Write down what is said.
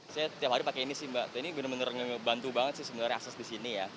saya tiap hari pakai ini sih mbak ini benar benar ngebantu banget sih sebenarnya akses di sini ya